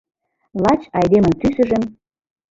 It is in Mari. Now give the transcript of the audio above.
Лач айдемын тӱсыжым